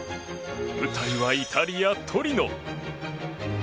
舞台はイタリア・トリノ。